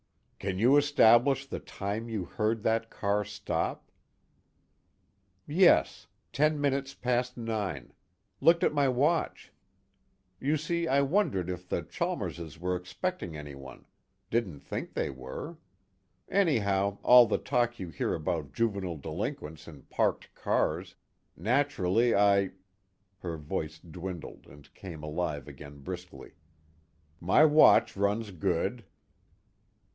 "Can you establish the time you heard that car stop?" "Yes; ten minutes past nine. Looked at my watch. You see, I wondered if the Chalmerses were expecting anyone, didn't think they were. Anyhow, all the talk you hear about juvenile delinquents in parked cars, naturally I " her voice dwindled and came alive again briskly: "My watch runs good."